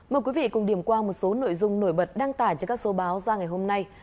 mời quý vị cùng điểm qua một số nội dung nổi bật đăng tải trên các số báo ra ngày hôm nay